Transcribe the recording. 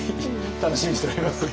楽しみにしております。